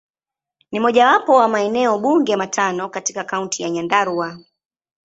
Ni mojawapo wa maeneo bunge matano katika Kaunti ya Nyandarua.